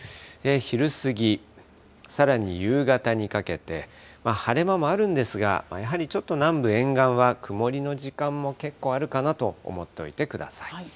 昼過ぎ、さらに夕方にかけて、晴れ間もあるんですが、やはりちょっと南部沿岸は、曇りの時間も結構あるかなと思っておいてください。